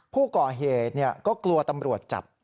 ผู้ก่อเหตุก็กลัวตำรวจจับ